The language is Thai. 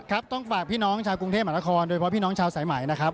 ครับต้องฝากพี่น้องชาวกรุงเทพมหานครโดยเฉพาะพี่น้องชาวสายใหม่นะครับ